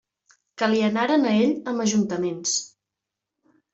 Que li anaren a ell amb ajuntaments!